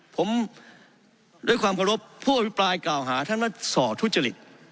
ผมด้วยความรับผู้อภิปรายกล่าวหาท่านรัฐศอร์ทุจริต